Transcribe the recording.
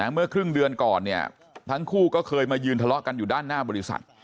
เมื่อครึ่งเดือนก่อนเนี่ยทั้งคู่ก็เคยมายืนทะเลาะกันอยู่ด้านหน้าบริษัท